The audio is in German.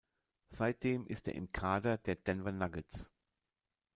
Seitdem ist er im Kader der Denver Nuggets.